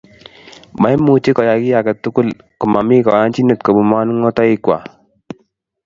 Moimuchi koyai kit age tugul komomi koyonchinet kobun manongotoikwai